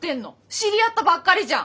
知り合ったばっかりじゃん！